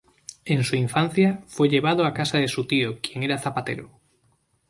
En su infancia, fue llevado a casa de su tío quien era zapatero.